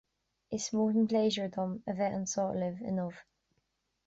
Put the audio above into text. Is mór an pléisiúr dom a bheith anseo libh inniu